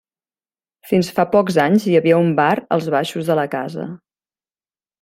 Fins fa pocs anys hi havia un bar als baixos de la casa.